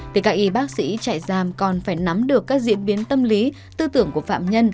thì các y bác sĩ trại giam còn phải nắm được các diễn biến tâm lý tư tưởng của phạm nhân